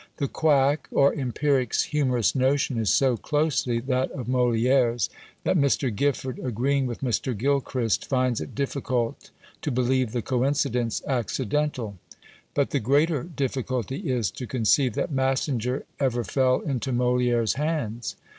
The Quack or "Empiric's" humorous notion is so closely that of MoliÃẀre's, that Mr. Gifford, agreeing with Mr. Gilchrist, "finds it difficult to believe the coincidence accidental;" but the greater difficulty is, to conceive that "Massinger ever fell into MoliÃẀre's hands."